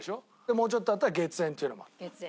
もうちょっと行ったら月園っていうのもある。